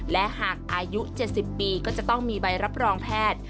และหากอายุ๗๐ปีก็จะต้องมีใบรับรองแพทย์